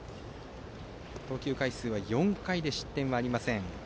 投球回数は４回で失点はありません。